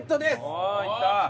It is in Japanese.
おおいった！